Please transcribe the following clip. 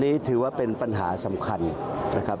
นี่ถือว่าเป็นปัญหาสำคัญนะครับ